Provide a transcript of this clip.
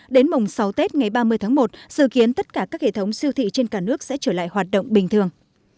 đến mùng sáu tết ngày ba mươi tháng một dự kiến tất cả các hệ thống siêu thị trên cả nước sẽ trở lại hoạt động bình thường